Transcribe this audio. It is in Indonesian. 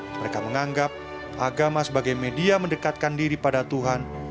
mereka menganggap agama sebagai media mendekatkan diri pada tuhan